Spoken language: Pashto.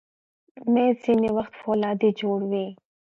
مېز ځینې وخت فولادي جوړ وي.